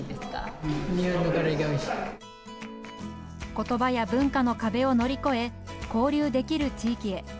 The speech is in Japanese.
言葉や文化の壁を乗り越え交流できる地域へ。